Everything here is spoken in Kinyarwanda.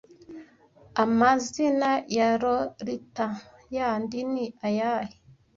Amazina ya Lolita yandi ni ayahe